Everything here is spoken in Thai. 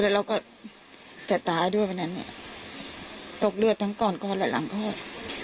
ลดเลือดตั้งก่อนก่อนและหลังก่อน